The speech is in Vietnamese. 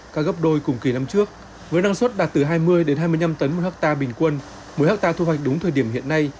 ca gấp đôi cùng kỳ năm trước với năng suất đạt từ hai mươi hai mươi năm tấn một ha bình quân một ha thu hoạch đúng thời điểm hiện nay